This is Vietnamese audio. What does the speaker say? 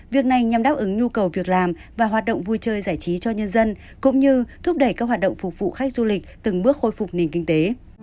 việc này nhằm đáp ứng nhu cầu việc làm và hoạt động vui chơi giải trí cho nhân dân cũng như thúc đẩy các hoạt động phục vụ khách du lịch từng bước khôi phục nền kinh tế